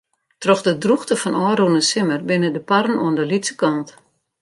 Troch de drûchte fan ôfrûne simmer binne de parren oan de lytse kant.